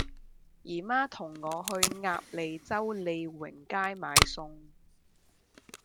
姨媽同我去鴨脷洲利榮街買餸